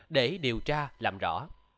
để điều tra làm rõ